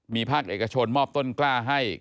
มีภาคเอกชนมอบต้นกล้าให้